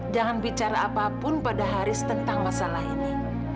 jangan bicara apapun pada haris tentang masalah ini